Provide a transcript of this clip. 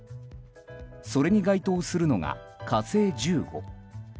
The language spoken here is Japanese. それに該当するのが「火星１５」。